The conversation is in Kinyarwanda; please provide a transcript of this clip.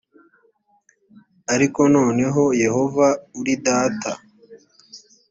ariko noneho yehova uri data